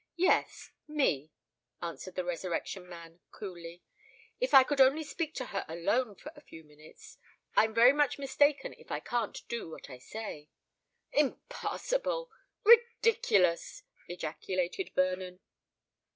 "Yes—me," answered the Resurrection Man, coolly. "If I could only speak to her alone for a few minutes, I'm very much mistaken if I can't do what I say." "Impossible—ridiculous!" ejaculated Vernon.